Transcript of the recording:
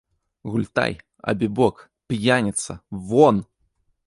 Гультай, абібок, п'яніца, вон!